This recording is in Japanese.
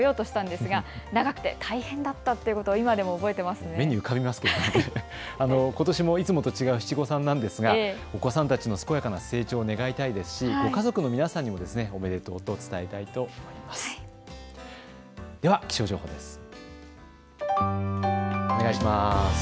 ことしもいつもと違う七五三ですがお子さんたちの健やかな成長を願いたいですし、ご家族の方々にも、おめでとうと伝えたいです。